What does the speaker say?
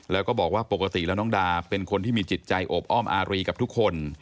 แล้วก็บอกว่าปกติแล้วน้องดาเป็นคนที่มีจิตใจโอบอ้อมอารีกับทุกคน